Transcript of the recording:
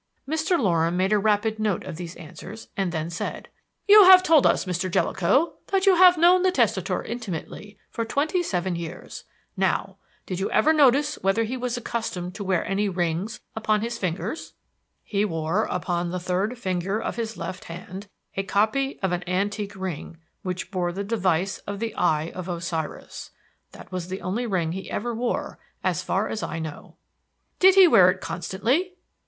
Mr. Loram made a rapid note of these answers and then said: "You have told us, Mr. Jellicoe, that you have known the testator intimately for twenty seven years. Now, did you ever notice whether he was accustomed to wear any rings upon his fingers?" "He wore upon the third finger of his left hand a copy of an antique ring which bore the device of the Eye of Osiris. That was the only ring he ever wore as far as I know." "Did he wear it constantly?"